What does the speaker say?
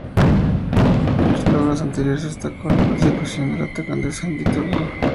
En los logros anteriores, destacó la participación del atacante Sandy Turnbull.